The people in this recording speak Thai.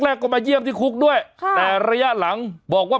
แรกก็มาเยี่ยมที่คุกด้วยค่ะแต่ระยะหลังบอกว่า